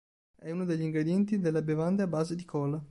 È uno degli ingredienti delle bevande a base di cola.